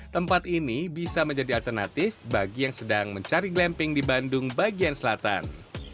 tempat ini bisa menjadi alternatif bagi yang sedang mencari glamping di bandung bagian selatan